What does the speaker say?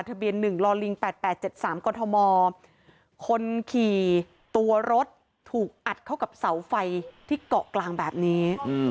ทะเบียน๑ลอลิง๘๘๗๓กฎธมคนขี่ตัวรถถูกอัดเข้ากับเสาไฟที่เกาะกลางแบบนี้